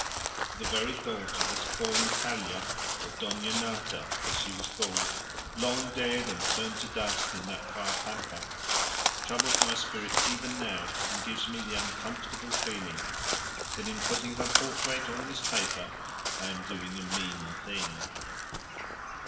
The very thought of this poor Natalia, or Dona Nata as she was called, long dead and turned to dust in that far pampa, troubles my spirit even now and gives me the uncomfortable feeling that in putting her portrait on this paper I am doing a mean thing.